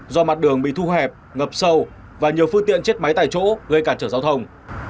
do mặt đường bị thu hẹp ngập sâu và nhiều phương tiện chết máy tại chỗ gây cản trở giao thông